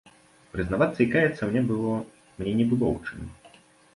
Прызнавацца і каяцца мне не было ў чым.